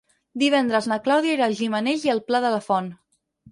Divendres na Clàudia irà a Gimenells i el Pla de la Font.